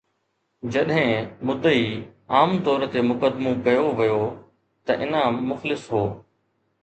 جڏهن مدعي عام طور تي مقدمو ڪيو ويو ته انعام مخلص هو